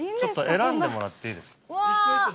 選んでもらっていいですか。